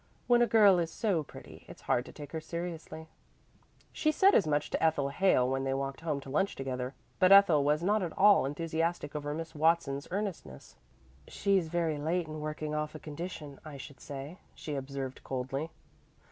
"When a girl is so pretty, it's hard to take her seriously." She said as much to Ethel Hale when they walked home to lunch together, but Ethel was not at all enthusiastic over Miss Watson's earnestness. "She's very late in working off a condition, I should say," she observed coldly.